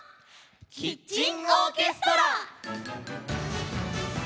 「キッチンオーケストラ」！